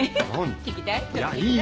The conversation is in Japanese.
聞きたい？